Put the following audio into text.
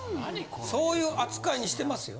そういう扱いにしてますよ。